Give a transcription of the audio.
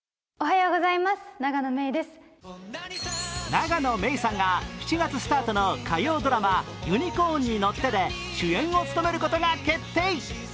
永野芽郁さんが７月スタートの火曜ドラマ「ユニコーンに乗って」で主演を務めることが決定。